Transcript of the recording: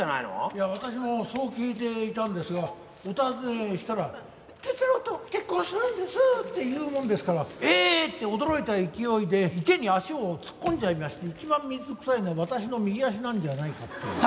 いや私もそう聞いていたんですがお尋ねしたら「哲郎と結婚するんです」って言うもんですから「え！」って驚いた勢いで池に足を突っ込んじゃいまして一番水くさいのは私の右足なんじゃないかっていう。